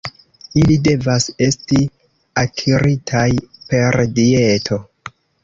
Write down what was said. Ili devas esti akiritaj per dieto.